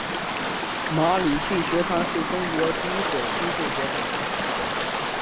马礼逊学堂是中国第一所西式学堂。